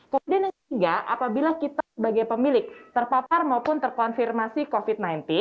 kemudian yang ketiga apabila kita sebagai pemilik terpapar maupun terkonfirmasi covid sembilan belas